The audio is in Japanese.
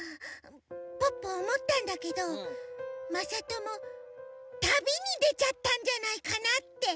ポッポおもったんだけどまさとも旅にでちゃったんじゃないかなって。